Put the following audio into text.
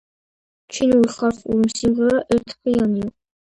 ჩინური ხალხური სიმღერა ერთხმიანია.